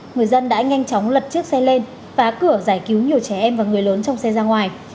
người dân đã nhanh chóng lật chiếc xe lên phá cửa giải cứu nhiều trẻ em và người lớn trong xe ra ngoài